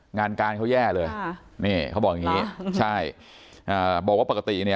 งานการเขาแย่เลยค่ะนี่เขาบอกอย่างงี้ใช่อ่าบอกว่าปกติเนี่ย